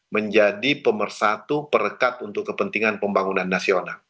menjadi pemersatu perekat untuk kepentingan pembangunan nasional